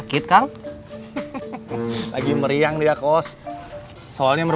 papa juga sayang sama jeniper